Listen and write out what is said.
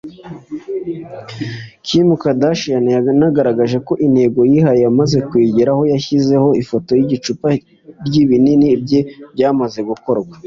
Kim Kardashian yanagaragaje ko intego yihaye yamaze kuyigeraho aho yashyizeho ifoto y’icupa ry’ibinini bye byamaze gukorwa